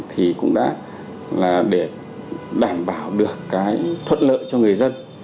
thì cũng đã là để đảm bảo được cái thuận lợi cho người dân